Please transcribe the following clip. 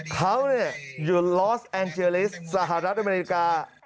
เขาอยู่สหรัฐอเมริกา